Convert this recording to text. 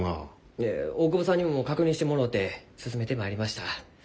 いえ大窪さんにも確認してもろうて進めてまいりました。